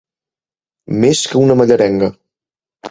Més que una mallerenga.